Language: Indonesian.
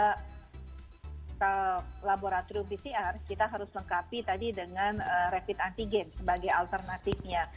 kita laboratorium pcr kita harus lengkapi tadi dengan rapid antigen sebagai alternatifnya